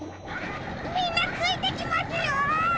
みんなついてきますよ！